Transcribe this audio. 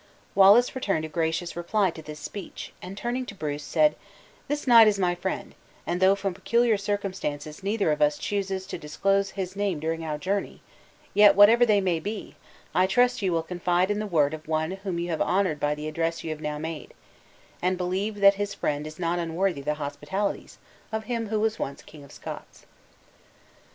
Wallace returned a gracious reply to this speech; and turning to Bruce, said: "This knight is my friend; and though from peculiar circumstances neither of us chooses to disclose his name during our journey, yet, whatever they may be, I trust you will confide in the word of one whom you have honored by the address you have now made, and believe that his friend is not unworthy the hospitalities of him who was once King of Scots."